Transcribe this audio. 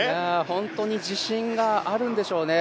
本当に自信があるんでしょうね。